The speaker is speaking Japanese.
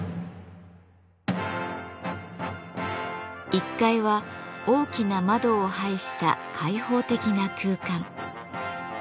１階は大きな窓を配した開放的な空間。